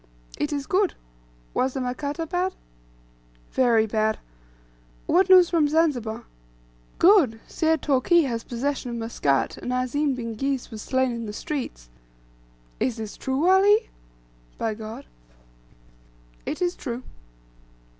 "It is good. Was the Makata bad?" "Very bad." "What news from Zanzibar?" "Good; Syed Toorkee has possession of Muscat, and Azim bin Ghis was slain in the streets." "Is this true, Wallahi?" (by God.) "It is true."